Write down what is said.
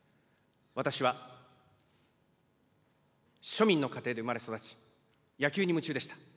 私は、庶民の家庭で生まれ育ち、野球に夢中でした。